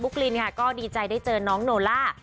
ลินค่ะก็ดีใจได้เจอน้องโนล่า